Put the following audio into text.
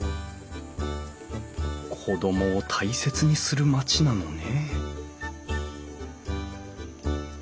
子供を大切にする町なのね